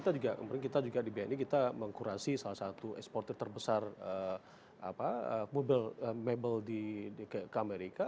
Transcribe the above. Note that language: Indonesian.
nah contoh kemarin kita juga di bni kita mengkurasi salah satu eksporter terbesar mobil mebel ke amerika